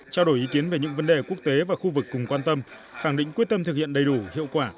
trao đổi ý kiến về những vấn đề quốc tế và khu vực cùng quan tâm khẳng định quyết tâm thực hiện đầy đủ hiệu quả